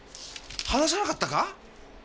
話さなかったか？